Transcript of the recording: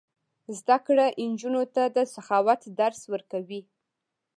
زده کړه نجونو ته د سخاوت درس ورکوي.